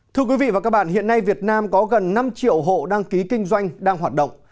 thưa quý vị và các bạn hiện nay việt nam có gần năm triệu hộ đăng ký kinh doanh đang hoạt động